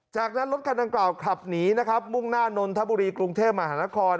จากนั้นรถคันดังกล่าวขับหนีนะครับมุ่งหน้านนทบุรีกรุงเทพมหานคร